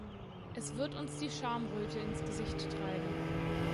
Es wird uns die Schamröte ins Gesicht treiben.